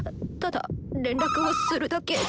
ただ連絡をするだけ。